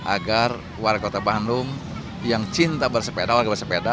agar warga kota bandung yang cinta bersepeda warga bersepeda